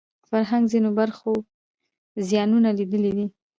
فرهنګ ځینو برخو زیانونه لیدلي دي